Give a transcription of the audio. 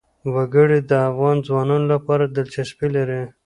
وګړي د افغان ځوانانو لپاره دلچسپي لري.